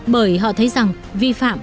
bởi họ thấy rằng vi phạm